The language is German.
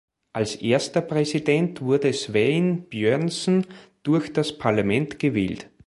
Als erster Präsident wurde Sveinn Björnsson durch das Parlament gewählt.